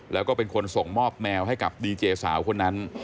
แล้วก็เป็นคนส่งมอบแมวให้กับดีเจสาวคนนั้น